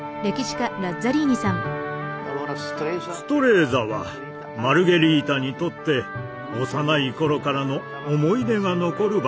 ストレーザはマルゲリータにとって幼いころからの思い出が残る場所です。